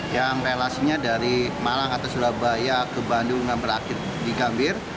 yang relasinya dari malang atau surabaya ke bandung dan berakhir di gambir